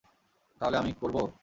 তাহলে আমি করব?